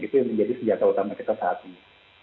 itu yang menjadi senjata utama kita saat ini